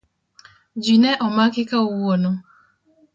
Ji ne omaki kawuono.